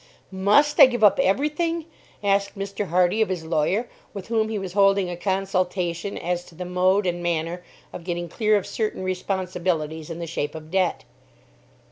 "MUST I give up every thing?" asked Mr. Hardy of his lawyer, with whom he was holding a consultation as to the mode and manner of getting clear of certain responsibilities in the shape of debt.